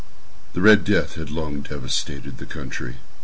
The "Red Death" had long devastated the country.